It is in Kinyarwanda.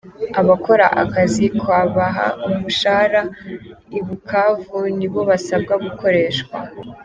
Abakora akazi kabaha umushahara i Bukavu ni bo basabwa gukoreshwa